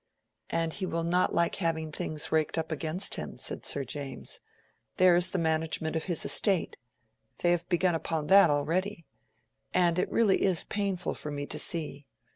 "And he will not like having things raked up against him," said Sir James. "There is the management of his estate. They have begun upon that already. And it really is painful for me to see.